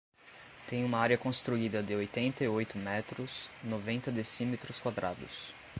Tem uma área construída de oitenta e oito metros, noventa decímetros quadrados.